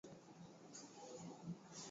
Rashidi ni mvuvi